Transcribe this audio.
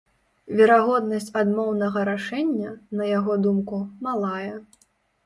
Верагоднасць адмоўнага рашэння, на яго думку, малая.